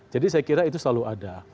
jadi saya kira itu selalu ada